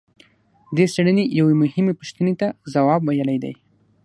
دې څېړنې یوې مهمې پوښتنې ته ځواب ویلی دی.